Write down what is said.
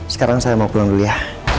sekarang saya mau pulang dulu ya